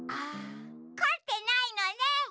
こってないのね！